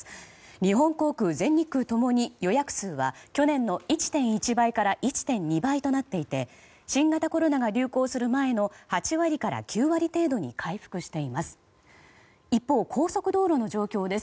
日本航空、全日空共に予約数は去年の１．１倍から１．２倍となっていて新型コロナが流行する前の８割から９割程度に回復しています。